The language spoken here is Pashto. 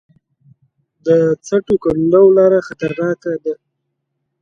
د سټو کنډو لاره خطرناکه ده